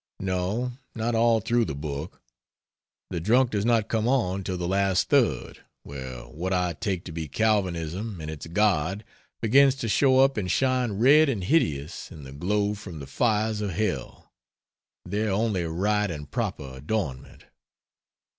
No, not all through the book the drunk does not come on till the last third, where what I take to be Calvinism and its God begins to show up and shine red and hideous in the glow from the fires of hell, their only right and proper adornment.